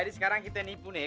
kesimpulannya nipu nih